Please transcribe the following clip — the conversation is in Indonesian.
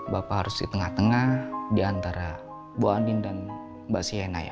bapak harus di tengah tengah di antara bu andin dan mbak sienna ya